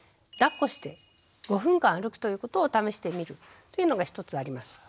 だっこして５分間歩くということを試してみるというのが一つあります。